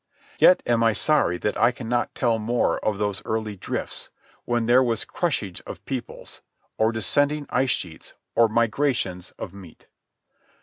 Yet am I sorry that I cannot tell more of those early drifts, when there was crushage of peoples, or descending ice sheets, or migrations of meat.